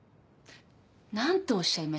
何とおっしゃいました？